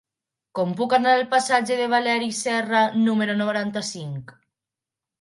Com puc anar al passatge de Valeri Serra número noranta-cinc?